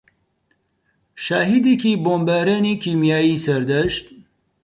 شاهێدێکی بۆمبارانی کیمیایی سەردەشت